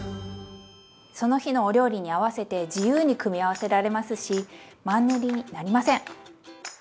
その日のお料理に合わせて自由に組み合わせられますしマンネリになりません！